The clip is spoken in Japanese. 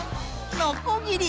のこぎり。